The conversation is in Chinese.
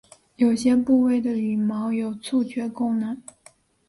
有些部位的羽毛有触觉功能。